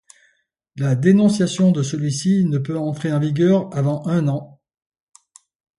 La dénonciation de celui-ci ne peut entrer en vigueur avant un an.